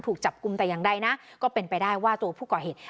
ถูกจับกลุ่มแต่อย่างใดนะก็เป็นไปได้ว่าตัวผู้ก่อเหตุ